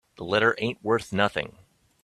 The letter ain't worth nothing.